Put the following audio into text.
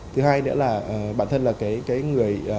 thứ hai nữa là bản thân là cái người